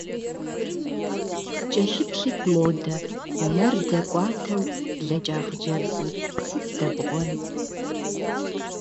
Не придётся ли нам, следуя сегодняшней логике, добавлять места и для постоянных членов?